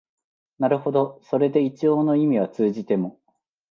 なるほどそれで一応の意味は通じても、